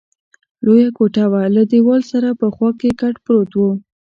لویه کوټه وه، له دېوال سره په خوا کې کټ پروت وو.